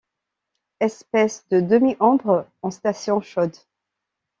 Espèce de demi-ombre en stations chaudes.